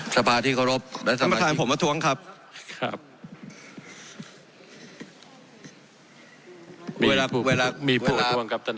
สปาที่โครงและสมภาษณ์ผมมาท้วงครับครับ